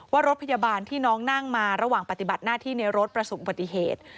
ว่ารถพยาบาลที่น้องนั่งมาระหว่างปฏิบัติหน้าที่ในรถประสบอุบัติเหตุ